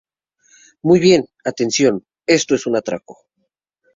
¡ Muy bien, atención, esto es un atraco!